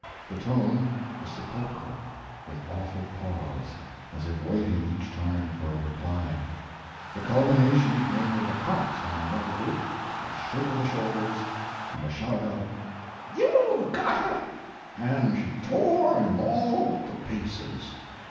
The tone was sepulchral, with awful pause as if waiting each time for a reply. The culmination came with a pounce on one of the group, a shake of the shoulders, and a shout of: "YOU'VE got it!' and she tore him all to pieces!"